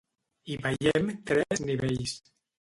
Hi veiem tres nivells.